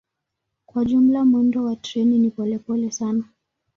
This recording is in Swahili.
Kwa jumla mwendo wa treni ni polepole sana.